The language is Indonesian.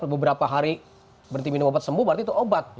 beberapa hari berhenti minum obat sembuh berarti itu obat